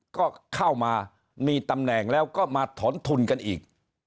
ก็เข้ามามีตำแหน่งแล้วก็มาถอนทุนกันอีก